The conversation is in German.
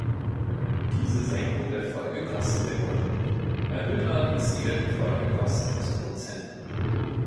Diese Senkung der Folgekosten der Kunden erhöht allerdings wieder die Folgekosten des Produzenten.